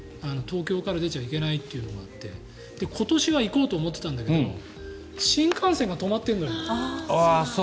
東京から出ちゃいけないというのがあって今年は行こうと思ってたけど新幹線が止まってるのよ。